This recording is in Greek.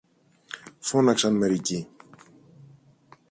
φώναξαν μερικοί.